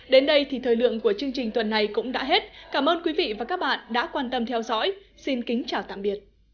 trước các buổi tuyên truyền truyền truyền giáo dục pháp luật về trật tự an toàn giao thông